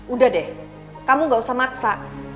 udah deh kamu gak usah maksa